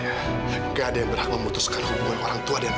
tidak ada yang berhak memutuskan hubungan orangtua dan anak